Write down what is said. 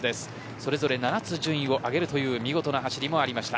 それぞれ７つ順位を上げる見事な走りもありました。